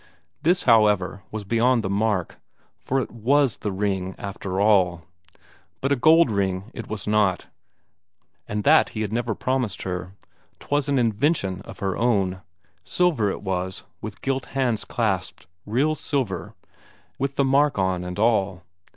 This, however, was beyond the mark, for it was the ring after all. But a gold ring it was not, and that he had never promised her 'twas an invention of her own; silver it was, with gilt hands clasped, real silver, with the mark on and all.